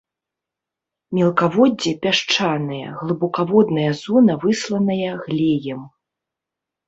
Мелкаводдзе пясчанае, глыбакаводная зона высланая глеем.